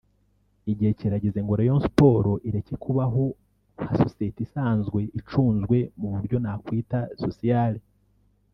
Igihe kirageze ngo Rayon Sports ireke kubaho nka sosiyete isanzwe icunzwe mu buryo nakwita “social”